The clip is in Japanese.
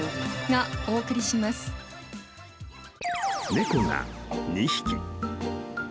［猫が２匹］